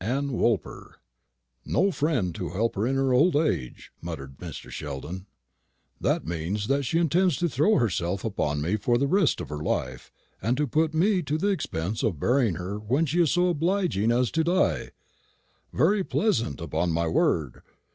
AN WOOLPER "No friend to help her in her old age," muttered Mr. Sheldon; "that means that she intends to throw herself upon me for the rest of her life, and to put me to the expense of burying her when she is so obliging as to die. Very pleasant, upon my word!